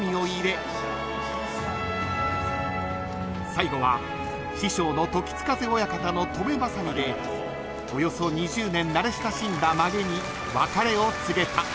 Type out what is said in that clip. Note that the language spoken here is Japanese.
［最後は師匠の時津風親方の止めばさみでおよそ２０年慣れ親しんだまげに別れを告げた］